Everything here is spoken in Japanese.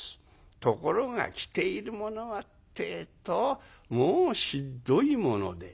ところが着ているものはってえともうひっどいもので。